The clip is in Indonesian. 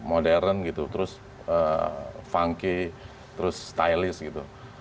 modern gitu terus funky terus stylist gitu akhirnya terus kita indonesia sih yang pertama